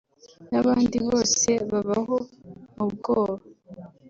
n’abandi bose babaho mu bwoba